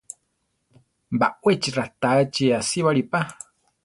Baʼwéchi ratáachi asíbali pa.